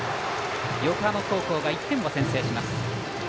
横浜高校が１点を先制します。